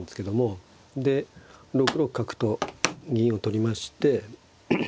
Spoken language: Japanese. で６六角と銀を取りまして。